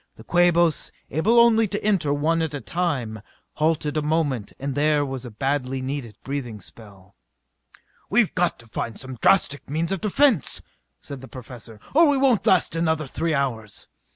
The Quabos, able only to enter one at a time, halted a moment and there was a badly needed breathing spell. "We've got to find some drastic means of defence," said the Professor, "or we won't last another three hours."